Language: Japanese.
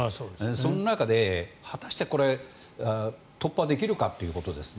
その中で果たして突破できるかということですね。